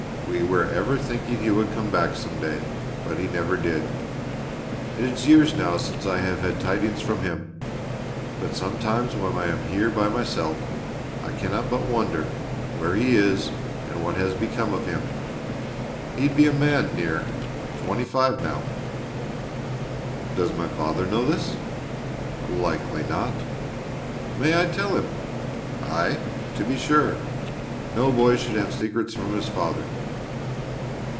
We were ever thinking he would come back some day but he never did. It is years now since I have had tidings from him. But sometimes when I am here by myself I cannot but wonder where he is and what has become of him. He'd be a man near twenty five now." "Does my father know this?" "Likely not." "May I tell him?" "Aye, to be sure. No boy should have secrets from his father."